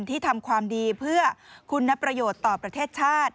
ที่ทำความดีเพื่อคุณประโยชน์ต่อประเทศชาติ